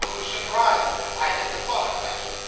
who's to drive? I never thought of that.